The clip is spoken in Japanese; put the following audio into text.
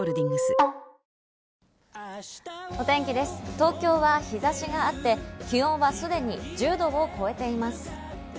東京は日差しがあって、気温はすでに１０度を超えています。